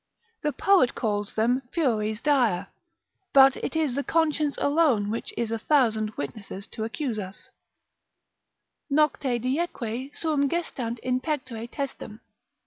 The poet calls them furies dire, but it is the conscience alone which is a thousand witnesses to accuse us, Nocte dieque suum gestant in pectore testem.